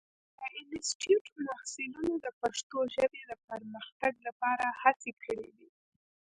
د انسټیټوت محصلینو د پښتو ژبې د پرمختګ لپاره هڅې کړې دي.